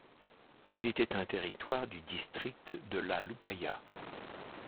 Il était un territoire du District de la Lukaya.